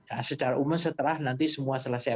nah secara umum setelah nanti semua selesai